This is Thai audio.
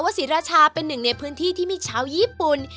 ศรีราชาเป็นหนึ่งในพื้นที่ที่มีชาวญี่ปุ่น